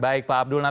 baik pak abdul